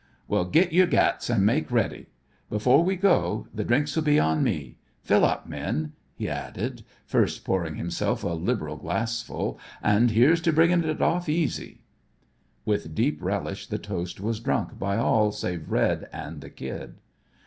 "Well, git your gats and make ready. Before we go, the drinks'll be on me. Fill up, men," he added, first pouring himself a liberal glassful, "an' here's to bringin' it off easy." With deep relish the toast was drunk by all save Red and the Kid.